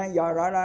do đó là